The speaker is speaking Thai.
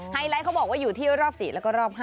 ไลท์เขาบอกว่าอยู่ที่รอบ๔แล้วก็รอบ๕